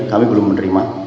kami belum menerima